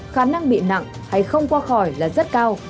khả năng bị nặng hay không qua khỏi là rất cao